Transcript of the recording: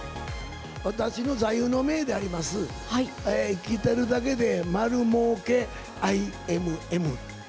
私の座右の銘であります、生きてるだけでまるもうけ。